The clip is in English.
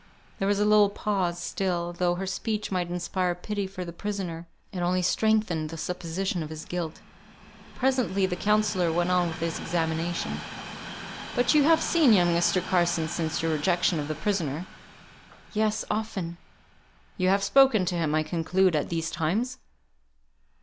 There was a little pause; still, though her speech might inspire pity for the prisoner, it only strengthened the supposition of his guilt. Presently the counsellor went on with his examination. "But you have seen young Mr. Carson since your rejection of the prisoner?" "Yes, often." "You have spoken to him, I conclude, at these times."